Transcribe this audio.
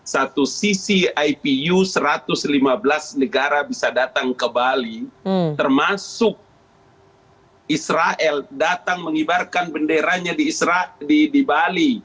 karena satu sisi ipu satu ratus lima belas negara bisa datang ke bali termasuk israel datang mengibarkan benderanya di bali